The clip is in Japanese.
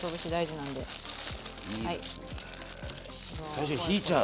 最初ひいちゃう。